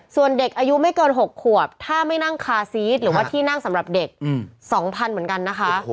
ส่วนเด็กอายุไม่เกิน๖ขวบถ้าไม่นั่งคาซีสหรือว่าที่นั่งสำหรับเด็ก๒๐๐๐เหมือนกันนะคะ